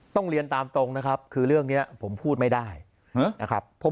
เรียนตามตรงนะครับคือเรื่องนี้ผมพูดไม่ได้นะครับ